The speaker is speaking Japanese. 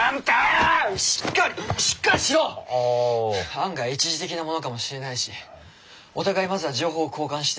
案外一時的なものかもしれないしお互いまずは情報を交換して。